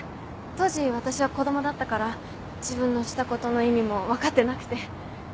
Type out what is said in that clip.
当時私は子供だったから自分のしたことの意味も分かってなくて。